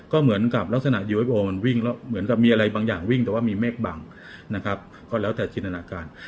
ก็เหมือนกับลักษณะยูเอฟโอมันวิ่งแล้วเหมือนกับมีอะไรบางอย่างวิ่งแต่ว่ามีเมฆบังนะครับก็แล้วแต่จินตนาการ